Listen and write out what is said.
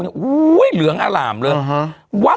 ทำเหมือนอาหารญี่ปุ่น